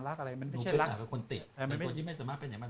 รักอะไรมันไม่ใช่รักเป็นคนติดแต่มันเป็นคนที่ไม่สามารถไปไหนมา